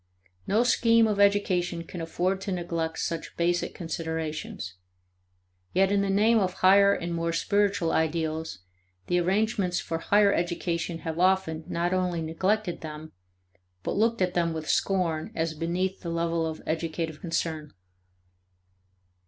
No scheme of education can afford to neglect such basic considerations. Yet in the name of higher and more spiritual ideals, the arrangements for higher education have often not only neglected them, but looked at them with scorn as beneath the level of educative concern.